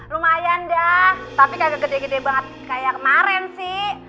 lumayan dah tapi kagak gede gede banget kayak kemarin sih